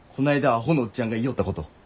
アホのおっちゃんが言いよったこと。